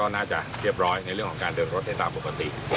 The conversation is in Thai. น่าจะเรียบร้อยในเรื่องของการเดินรถได้ตามปกติ